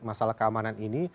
masalah keamanan ini